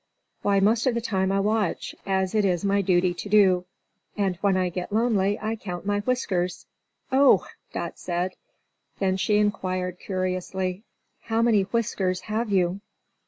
"Why, most of the time I watch, as it is my duty to do. And when I get lonely, I count my whiskers." "Oh!" said Dot. Then she inquired, curiously, "How many whiskers have you?"